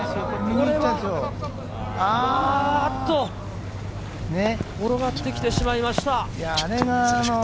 あっと、転がってきてしまいました！